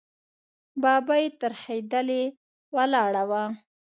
ببۍ ترهېدلې ولاړه وه.